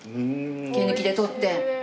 毛抜きで取って。